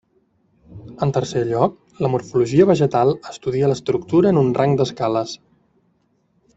En tercer lloc, la morfologia vegetal estudia l'estructura en un rang d'escales.